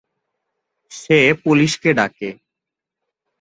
সে পুলিশকে ডাকে।